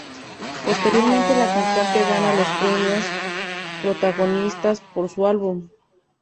Posteriormente la cantante gana los Premios Protagonistas por su álbum.